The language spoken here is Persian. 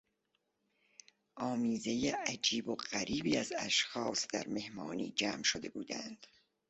آمیزهی عجیب و غریبی از اشخاص در مهمانی جمع شده بودند.